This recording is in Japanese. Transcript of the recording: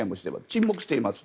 沈黙しています。